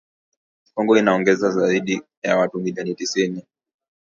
Kongo inaongeza zaidi ya watu milioni tisini